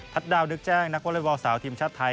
ดาวนึกแจ้งนักวอเล็กบอลสาวทีมชาติไทย